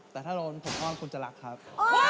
แต่ถ้าโดนผมอ้อนคุณจะรักครับ